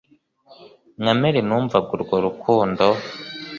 nka mary numvaga urwo rukundo